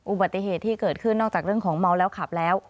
อุบัติเหตุที่เกิดขึ้นนอกจากเรื่องของเมาแล้วขับแล้ว